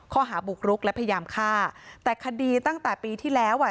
ข้อหาบุกรุกและพยายามฆ่าแต่คดีตั้งแต่ปีที่แล้วอ่ะ